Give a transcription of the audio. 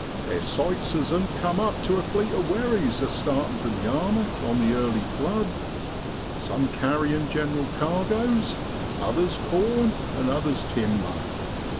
There's sights as oan't cum up to a fleet of wherries a startin' from Yarmouth on the early flood; some carry in' general cargoes, others corn, and others timber.